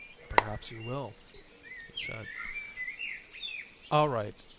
"Perhaps you will," he said. "All right.